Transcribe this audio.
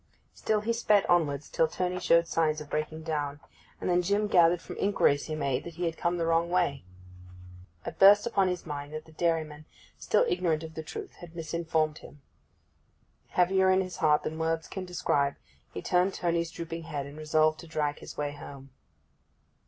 Still he sped onwards, till Tony showed signs of breaking down; and then Jim gathered from inquiries he made that he had come the wrong way. It burst upon his mind that the dairyman, still ignorant of the truth, had misinformed him. Heavier in his heart than words can describe he turned Tony's drooping head, and resolved to drag his way home.